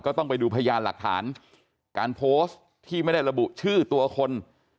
ต้องไปดูพยานหลักฐานการโพสต์ที่ไม่ได้ระบุชื่อตัวคน